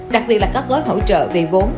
đặc biệt là các lối hỗ trợ về vốn